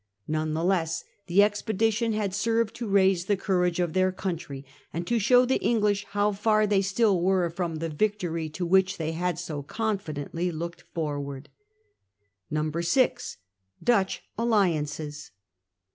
None the less the expedition had served to raise the courage of their country, and to show the English how far they still were from the victory to which they had so confidently looked forward. 6. Dutch Alliances.